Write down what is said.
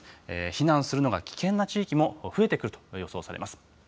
避難するのが危険な地域も増えてくると予想されます。